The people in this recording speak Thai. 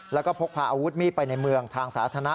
แล้วก็พกพาอาวุธมีดไปในเมืองทางสาธารณะ